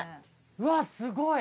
うわっすごい！